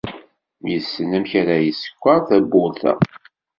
Yessen amek ara yeskeṛ tawwurt-a.